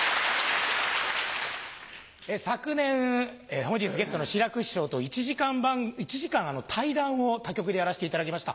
昨年本日ゲストの志らく師匠と１時間対談を他局でやらせていただきました。